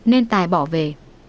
nên tài bỏ về